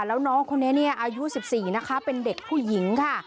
แล้วน้องคนนี้เนี่ยอายุ๑๔นะคะเป็นเด็กผู้หญิงค่ะ